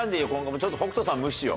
ちょっと北斗さん無視しよう。